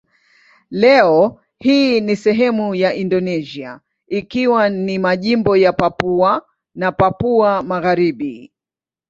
Leo hii ni sehemu ya Indonesia ikiwa ni majimbo ya Papua na Papua Magharibi.